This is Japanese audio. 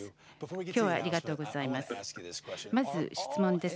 きょうはありがとうございます。